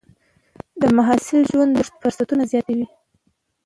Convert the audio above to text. د محصل ژوند د نوښت فرصتونه زیاتوي.